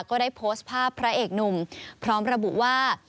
ก็ได้โพสต์ภาพพระเอกหนุ่มพร้อมระบุว่า